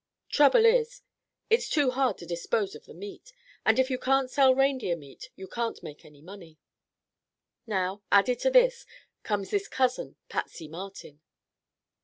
Trouble is, it's too hard to dispose of the meat. And if you can't sell reindeer meat you can't make any money. Now, added to this, comes this cousin, Patsy Martin."